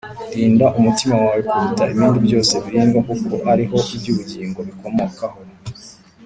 rinda umutima wawe kuruta ibindi byose birindwa, kuko ari ho iby’ubugingo bikomokaho